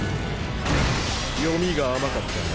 読みが甘かったな。